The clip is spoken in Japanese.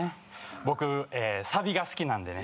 僕サビが好きなんでね